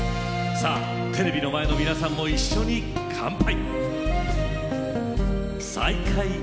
さあ、テレビの前の皆さんも一緒に乾杯！